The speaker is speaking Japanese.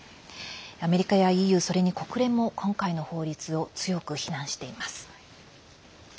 アメリカやＥＵ、それに国連も今回の法律を強く非難しています。